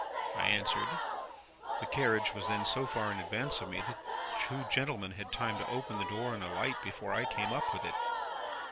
I answered. The carriage was then so far in advance of me that two gentlemen had time to open the door and alight before I came up with it.